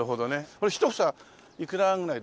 これ１房いくらぐらいで売ってるの？